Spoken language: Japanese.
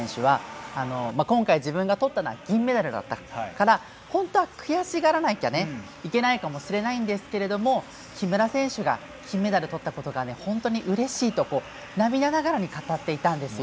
宇宙選手は今回、自分がとったのは銀メダルだから本当は悔しがらなきゃいけないかもしれないんですけど木村選手が金メダルとったことが本当にうれしいと涙ながらに語っていたんですよ。